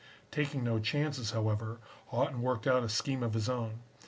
Taking no chances, however, Haughton worked out a scheme of his own.